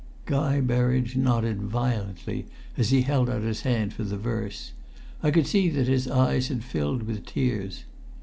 Guy Berridge nodded violently as he held out his hand for the verse. I could see that his eyes had filled with tears.